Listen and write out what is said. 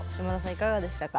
いかがでしたか？